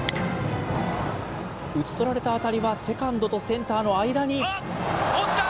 打ち取られた当たりはセカンドとセンターの間に。